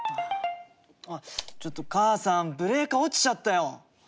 ちょっと母さんブレーカー落ちちゃったよ。